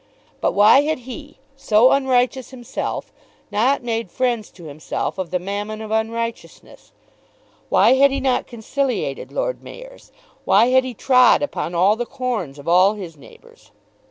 But why had he, so unrighteous himself, not made friends to himself of the Mammon of unrighteousness? Why had he not conciliated Lord Mayors? Why had he trod upon all the corns of all his neighbours?